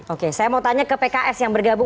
oke saya mau tanya ke pks yang bergabung